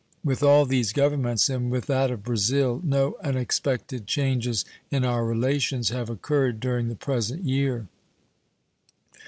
With all these Governments and with that of Brazil no unexpected changes in our relations have occurred during the present year.